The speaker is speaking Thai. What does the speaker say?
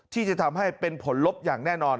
ที่จะทำให้เป็นผลลบอย่างแน่นอน